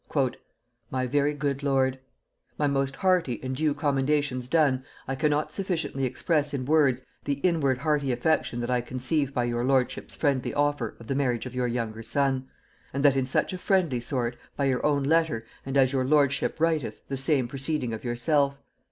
_ "My very good lord, "My most hearty and due commendations done, I cannot sufficiently express in words the inward hearty affection that I conceive by your lordship's friendly offer of the marriage of your younger son; and that in such a friendly sort, by your own letter, and, as your lordship writeth, the same proceeding of yourself.